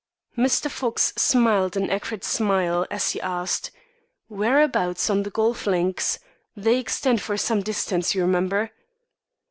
Mr. Fox smiled an acrid smile, as he asked: "Whereabouts on the golf links? They extend for some distance, you remember."